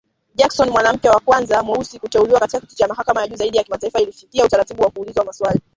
Jackson, mwanamke wa kwanza mweusi kuteuliwa katika kiti cha mahakama ya juu zaidi ya taifa, alifikia utaratibu wa kuulizwa maswali.